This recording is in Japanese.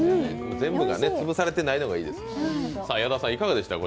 全部が潰されてないのがいいですよね。